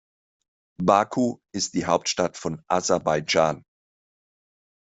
Baku ist die Hauptstadt von Aserbaidschan.